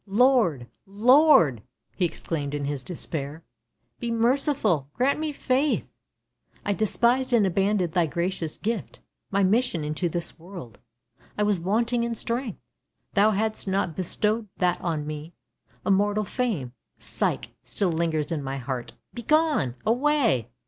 " Lord, Lord! " he exclaimed in his despair. " Be merciful, grant me faith! I despised and abandoned Thy gracious gift — my mission into this world. I was wanting in strength; Thou hadst not bestowed that on me. Immortal fame — Psyche — still lingers in my heart. Begone! Away!